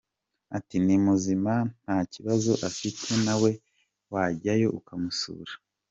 Ati “Ni muzima nta kibazo afite nawe wajyayo ukamusura.